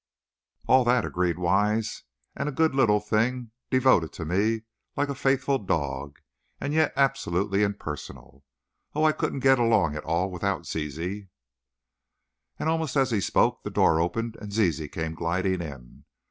"All that," agreed Wise. "And a good little thing. Devoted to me, like a faithful dog, and yet, absolutely impersonal. Oh, I couldn't get along at all without Ziz." And almost as he spoke the door opened and Zizi came gliding in.